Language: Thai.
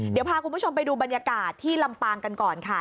เดี๋ยวพาคุณผู้ชมไปดูบรรยากาศที่ลำปางกันก่อนค่ะ